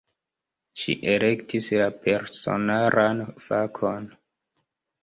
Ŝi elektis la personaran fakon.